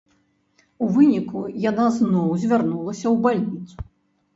У выніку яна зноў звярнулася ў бальніцу.